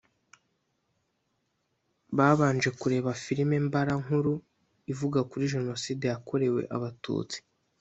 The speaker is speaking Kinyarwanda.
babanje kureba filimi mbarankuru ivuga kuri Jenoside yakorewe Abatutsi